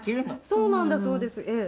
「そうなんだそうですええ」